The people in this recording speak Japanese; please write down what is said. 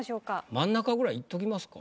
真ん中ぐらいいっときますか？